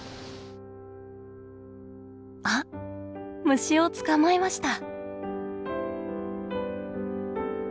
あっ虫を捕まえました！